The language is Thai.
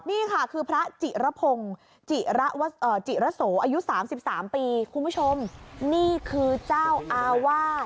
นี่ค่ะคือพระจิระโศหยุด๓๓ปีคุณผู้ชมนี่คือเจ้าอาวาส